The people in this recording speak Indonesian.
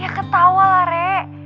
ya ketawa lah rek